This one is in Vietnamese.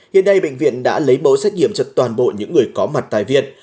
hiện đây bệnh viện đã lấy bộ xét nghiệm cho toàn bộ những người có mặt tại viện